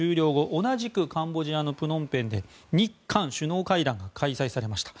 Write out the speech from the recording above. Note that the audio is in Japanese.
同じくカンボジアのプノンペンで日韓首脳会談が開催されました。